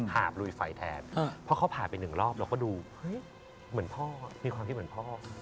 หาบลุยไฟแทนเพราะเขาผ่านไปหนึ่งรอบเราก็ดูเฮ้ยเหมือนพ่อมีความคิดเหมือนพ่อ